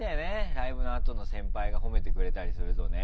ライブのあとの先輩が褒めてくれたりするとね。